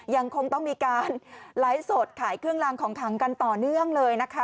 ยังคงต้องมีการไลฟ์สดขายเครื่องลางของขังกันต่อเนื่องเลยนะคะ